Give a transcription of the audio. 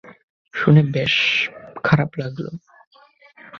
শুনে বেশ খারাপ লাগলো!